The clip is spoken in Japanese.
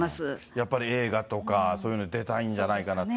やっぱり映画とか、そういうのに出たいんじゃないかなと。